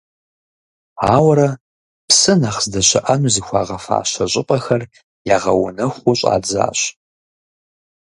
Ауэрэ, псы нэхъ здэщыӏэну зыхуагъэфащэ щӏыпӏэхэр ягъэунэхуу щӏадзащ.